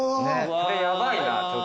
これヤバいなちょっと。